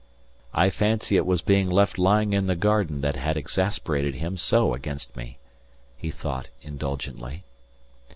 "I fancy it was being left lying in the garden that had exasperated him so against me," he thought indulgently.